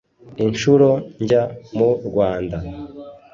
inshuro njya mu Rwanda